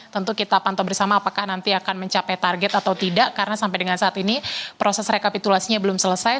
tentu kita pantau bersama apakah nanti akan mencapai target atau tidak karena sampai dengan saat ini proses rekapitulasinya belum selesai